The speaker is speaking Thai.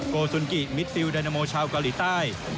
โกสุนกิมิดซิลไดนาโมชาวเกาหลีใต้